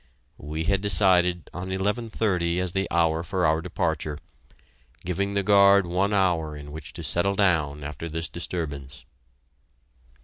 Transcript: We had decided on eleven thirty as the hour for our departure, giving the guard one hour in which to settle down after this disturbance.